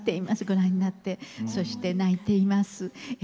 ご覧になってそして「泣いています」。